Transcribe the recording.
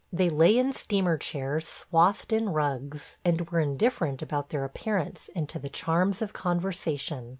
They lay in steamer chairs swathed in rugs, and were indifferent about their appearance and to the charms of conversation.